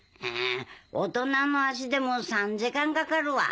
大人の足でも３時間かかるわ。